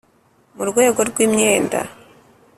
Mu rwego rw imyenda